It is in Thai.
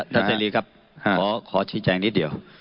ท่านเสรีครับขอชิดแจงนิดเดียว